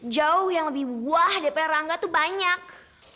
jauh yang lebih wah daripada rangga tuh banyak